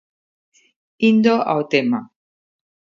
Indo ao tema.